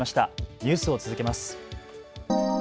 ニュースを続けます。